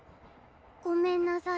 ごめんなさい。